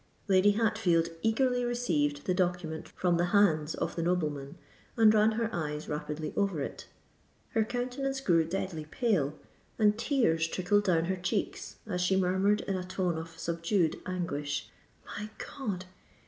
Lady Hatfield eagerly received the document from the hands of the nobleman, and ran her eyes rapidly over it. Her countenance grew deadly pale, and tears trickled down her cheeks, as she murmured in a tone of subdued anguish, "My God!